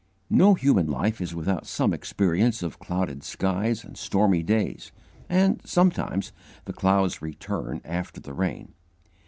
No human life is without some experience of clouded skies and stormy days, and sometimes "the clouds return after the rain."